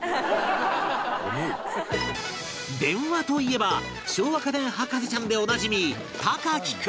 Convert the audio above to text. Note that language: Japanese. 電話といえば昭和家電博士ちゃんでおなじみ隆貴